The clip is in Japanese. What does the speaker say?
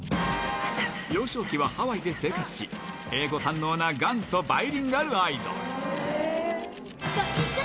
幼少期はハワイで生活し、英語堪能な元祖バイリンガルアイドル。